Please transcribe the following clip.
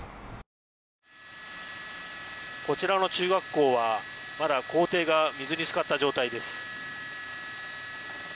こちらの中学校はまだ校庭が水に浸かった状態です。